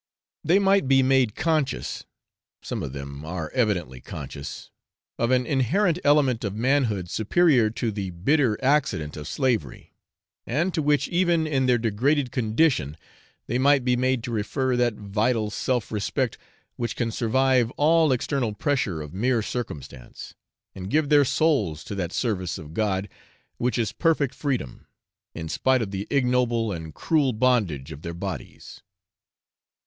They might be made conscious some of them are evidently conscious of an inherent element of manhood superior to the bitter accident of slavery; and to which, even in their degraded condition, they might be made to refer that vital self respect which can survive all external pressure of mere circumstance, and give their souls to that service of God, which is perfect freedom, in spite of the ignoble and cruel bondage of their bodies.